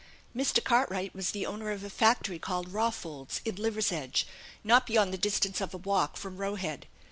Mr. Cartwright was the owner of a factory called Rawfolds, in Liversedge, not beyond the distance of a walk from Roe Head.